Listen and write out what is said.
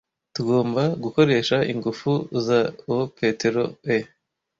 Tugomba gukoresha ingufu za aPetero e.